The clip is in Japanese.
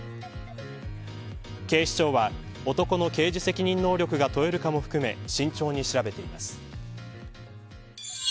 警視庁は男の刑事責任能力が問えるかも含め慎重に調べています。